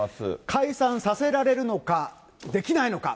解散させられるのか、できないのか。